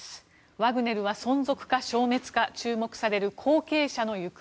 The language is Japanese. ワグネルは存続か消滅か注目される後継者の行方。